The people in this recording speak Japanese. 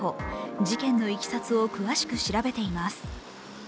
事件のいきさつを詳しく調べています。